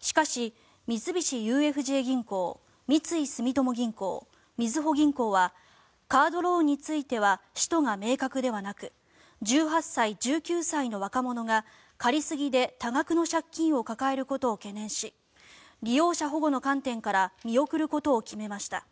しかし、三菱ＵＦＪ銀行三井住友銀行、みずほ銀行はカードローンについては使途が明確ではなく１８歳、１９歳の若者が借り過ぎで多額の借金を抱えることを懸念し利用者保護の観点から見送ることを決めました。